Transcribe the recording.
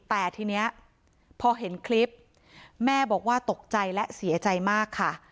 แต่ทีนี้พอเห็นคลิปแม่บอกว่าตกใจและเสียใจมากค่ะ